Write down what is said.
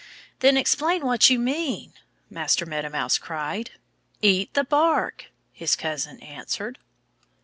"Then explain what you mean!" Master Meadow Mouse cried. "Eat the bark!" his cousin answered.